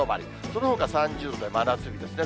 そのほか３０度で真夏日ですね。